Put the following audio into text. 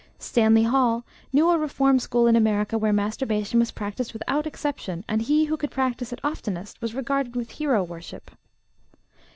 Stanley Hall knew a reform school in America where masturbation was practiced without exception, and he who could practice it oftenest was regarded with hero worship.